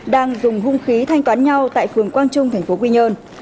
đang dùng hung khí thanh toán nhau tại phường quang trung tp quy nhơn